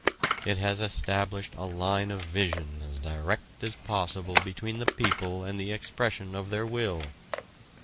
It has established a line of vision as direct as possible between the people and the expression of their will."